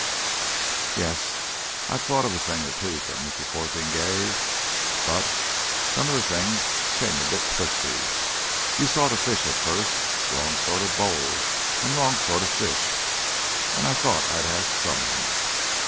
"Yes, I've thought of a thing or two," said Mr. Fotheringay. "But some of the things came a bit twisty. You saw that fish at first? Wrong sort of bowl and wrong sort of fish. And I thought I'd ask someone."